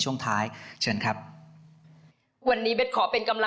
ถวายงานผ่านภาษาโดยคุณเบสอรพิมรักษาผล